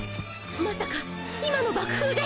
まさか今の爆風で！？